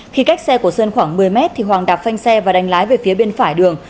khi cách xe của sơn khoảng một mươi mét thì hoàng đạp phanh xe và đánh lái về phía bên phải đường